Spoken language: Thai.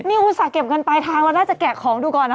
นี่คุณสารเก็บเงินไปทางวันน่าจะแกะของดูก่อนนะ